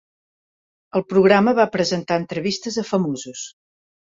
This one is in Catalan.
El programa va presentar entrevistes a famosos.